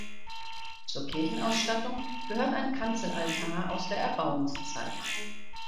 Zur Kirchenausstattung gehört ein Kanzelaltar aus der Erbauungszeit.